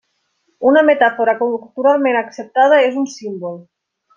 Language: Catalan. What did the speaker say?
Una metàfora culturalment acceptada és un símbol.